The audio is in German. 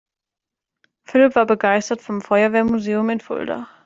Philipp war begeistert vom Feuerwehrmuseum in Fulda.